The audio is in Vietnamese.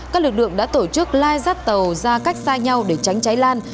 các lực lượng đã tổ chức lai rắt tàu ra cách xa nhau để tránh cháy lan